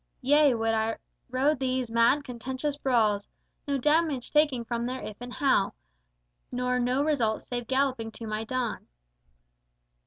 Yea, would I rode these mad contentious brawls No damage taking from their If and How, Nor no result save galloping to my Dawn!